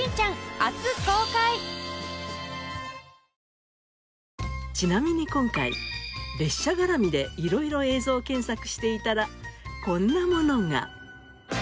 新しくなったちなみに今回列車絡みで色々映像検索していたらこんなものが。